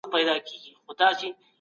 علم د نړۍ رڼا ده.